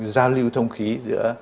giao lưu thông khí giữa